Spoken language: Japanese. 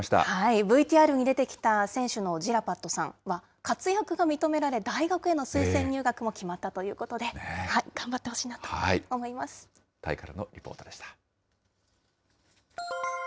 ＶＴＲに出てきた選手のジラパットさんは、活躍が認められ、大学への推薦入学も決まったということで、頑張ってほしいなと思タイからのリポートでした。